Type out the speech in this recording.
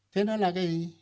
thế đó là cái gì